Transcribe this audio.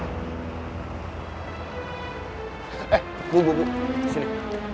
eh bu bu bu sini